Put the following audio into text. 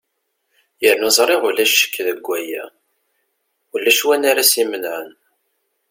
yernu ẓriɣ ulac ccek deg waya ulac win ara s-imenɛen